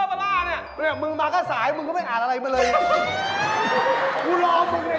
ผ้ากุ้งไงใครว่าผ้ากุ้งไงไม่รู้อ่ะ